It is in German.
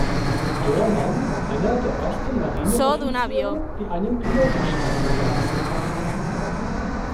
Doorman war einer der ersten Marineoffiziere, die einen Pilotenschein besaßen.